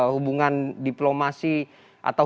hubungan diplomasi atau